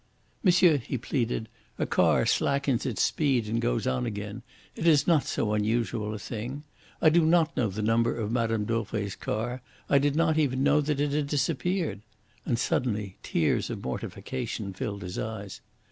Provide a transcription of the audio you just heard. "Monsieur," he pleaded, "a car slackens its speed and goes on again it is not so unusual a thing. I did not know the number of Mme. Dauvray's car. I did not even know that it had disappeared"; and suddenly tears of mortification filled his eyes.